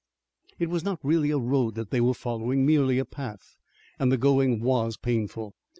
It was not really a road that they were following, merely a path, and the going was painful.